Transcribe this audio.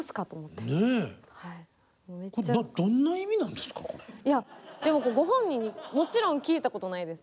でもご本人にもちろん聞いたことないです。